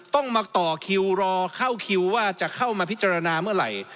ต้องมาต่อคิวรอเข้าคิวว่าจะเข้ามาพิจารณาเมื่อไหร่